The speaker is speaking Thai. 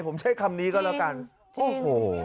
ผมใช้คำนี้ก็แล้วกันโอ้โห